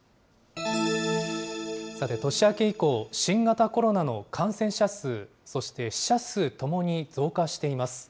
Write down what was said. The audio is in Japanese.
さて、年明け以降、新型コロナの感染者数、そして死者数ともに増加しています。